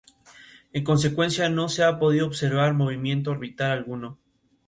Versión de prueba suborbital, de dos etapas.